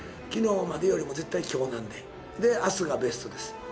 昨日までよりも絶対今日なんでで明日がベストです